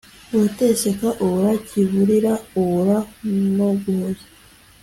urateseka ubura kivurira, ubura nuguhoza